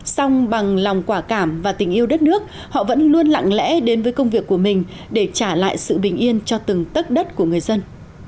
xong bằng lòng quả cảm và tình yêu đất nước họ vẫn luôn lặng lẽ đến với công việc của mình để trả lại sự bình yên cho từng tất đất của người dân